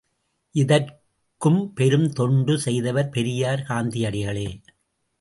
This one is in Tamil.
இதற்கும் பெரும் தொண்டு செய்தவர் பெரியார் காந்தியடிகளே!